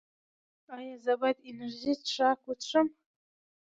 ایا زه باید انرژي څښاک وڅښم؟